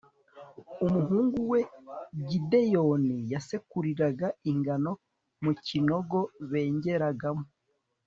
umuhungu we gideyoni yasekuriraga ingano mu kinogo bengeragamo